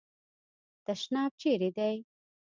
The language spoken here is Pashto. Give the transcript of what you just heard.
تشناب چیري دی ؟